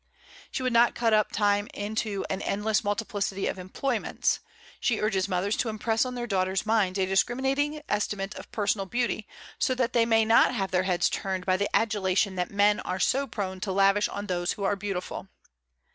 She would not cut up time into an endless multiplicity of employments, She urges mothers to impress on their daughters' minds a discriminating estimate of personal beauty, so that they may not have their heads turned by the adulation that men are so prone to lavish on those who are beautiful.